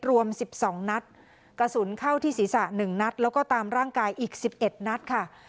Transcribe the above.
รวม๑๒นัดกระสุนเข้าที่ศีรษะ๑นัดแล้วก็ตามร่างกายอีก๑๑นัดค่ะ